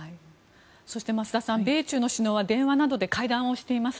そして、増田さん米中の首脳は電話などで会談をしています。